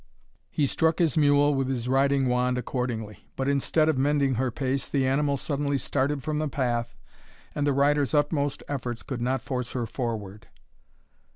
He struck his mule with his riding wand accordingly; but, instead of mending her pace, the animal suddenly started from the path, and the rider's utmost efforts could not force her forward.